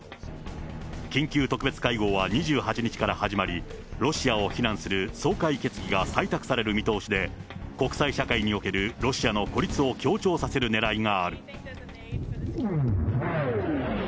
緊急特別会合は２８日から始まり、ロシアを非難する総会決議が採択される見通しで、国際社会におけるロシアの孤立を強調させるねらいがある。